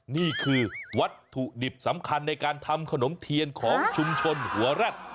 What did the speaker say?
นี่คือวัตถุดิบสำคัญในการทำขนมเทียนของชุมชนหัวแร็ด